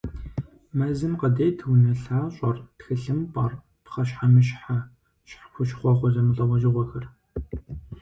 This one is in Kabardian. Мэзым къыдет унэлъащӀэр, тхылъымпӀэр, пхъэщхьэмыщхьэ, хущхъуэгъуэ зэмылӀэужьыгъуэхэр.